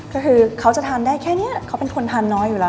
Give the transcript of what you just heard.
ก็คือเขาจะทานได้แค่นี้เขาเป็นคนทานน้อยอยู่แล้ว